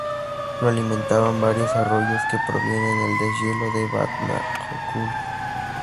Lo alimentan varios arroyos que provienen del deshielo del Vatnajökull.